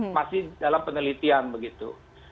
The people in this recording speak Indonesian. masih dalam penelitian begitu